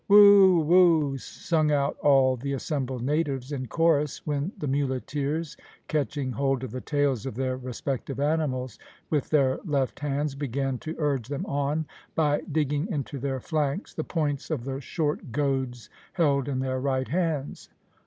"Whoo! whoo!" sung out all the assembled natives in chorus, when the muleteers, catching hold of the tails of their respective animals with their left hands, began to urge them on by digging into their flanks the points of the short goads held in their right hands.